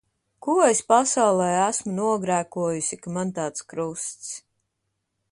Ko es pasaulē esmu nogrēkojusi, ka man tāds krusts.